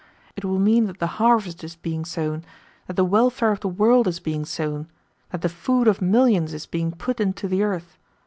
It will mean that the harvest is being sown, that the welfare of the world is being sown, that the food of millions is being put into the earth.